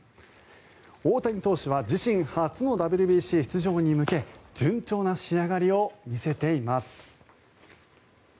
大谷投手は自身初のＷＢＣ出場に向け順調な仕上がりを見せています。